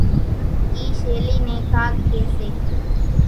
اِي شيلي نين کاڪ ڪي سي